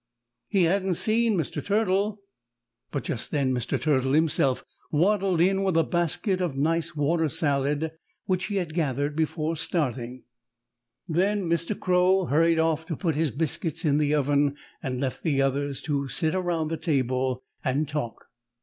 He hadn't seen Mr. Turtle, but just then Mr. Turtle himself waddled in with a basket of nice water salad, which he had gathered before starting. Then Mr. Crow hurried off to put his biscuits in the oven and left the others to sit around the table and talk.